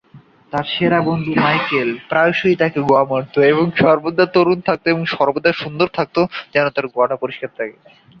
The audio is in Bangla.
তার সেরা বন্ধু মাইকেল প্রায়শই তাকে আশ্বাস দেন যে তিনি "সর্বদা তরুণ থাকবেন, এবং সর্বদা সুন্দর থাকবেন।"